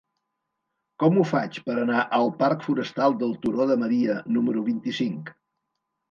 Com ho faig per anar al parc Forestal del Turó de Maria número vint-i-cinc?